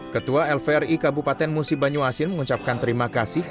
ketua lvri kabupaten musi banyu asin mengucapkan terima kasih